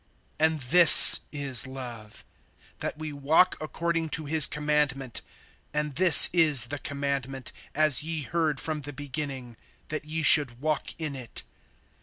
(6)And this is love, that we walk according to his commandment; and this is the commandment, as ye heard from the beginning, that ye should walk in it.